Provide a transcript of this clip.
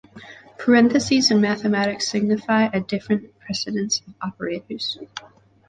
Parentheses in mathematics signify a different precedence of operators.